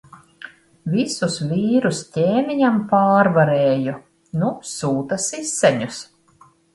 Visus vīrus ķēniņam pārvarēju. Nu sūta siseņus.